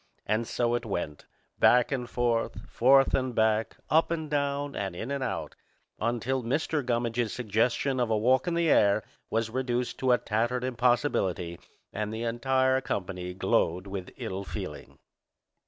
And so it went, back and forth, forth and back, up and down, and in and out, until Mr. Gummidge's suggestion of a walk in the air was reduced to a tattered impossibility and the entire company glowed with ill feeling.